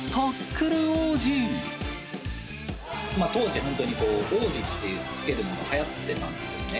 当時、本当に王子って付けるのがはやってたんですね。